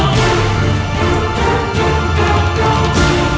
tidak ada apa apa